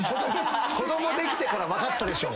子供できてから分かったでしょ。